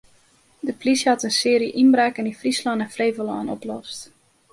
De polysje hat in searje ynbraken yn Fryslân en Flevolân oplost.